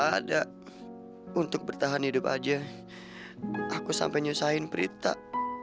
aku berharap untuk bertahan hidup aja aku sampai nyusahin perintah